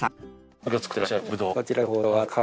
これが作ってらっしゃるブドウ？